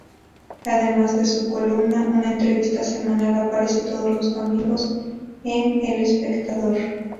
Además de su columna, una entrevista semanal aparece todos los domingos en "El Espectador".